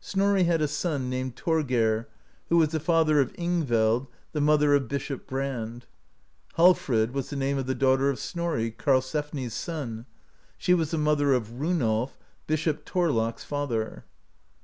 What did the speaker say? Snorri had a son, named Thorgeir, who was the father of Ingveld, the mother of Bishop Brand. Hallfrid was the name of the daughter of Snorri, Karl sefni's son ; she was the mother of Runolf, Bishop Thor lak's father.